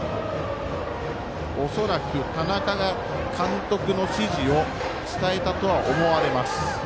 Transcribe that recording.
恐らく田中が監督の指示を伝えたとは思われます。